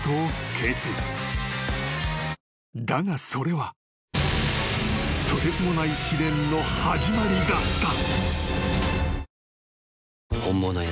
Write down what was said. ［だがそれはとてつもない試練の始まりだった］